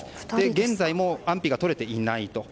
現在も安否の確認が取れていないと。